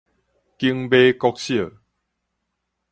景美國小